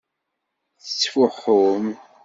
Tettfuḥum.